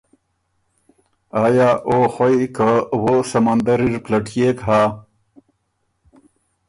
آیا او خوئ که وو سمندر اِر پلټيېک هۀ